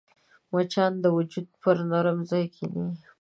مچان د وجود پر نرم ځای کښېني